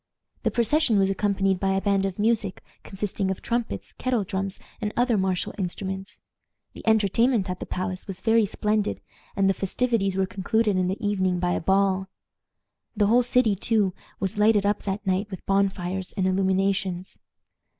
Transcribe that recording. The procession was accompanied by a band of music, consisting of trumpets, kettle drums, and other martial instruments. The entertainment at the palace was very splendid, and the festivities were concluded in the evening by a ball. The whole city, too, was lighted up that night with bonfires and illuminations.